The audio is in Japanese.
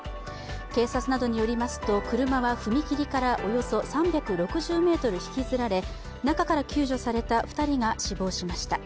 警察などによりますと車は踏切からおよそ３６０ｍ引きずられ中から救助された２人が死亡しました。